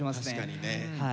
確かにね。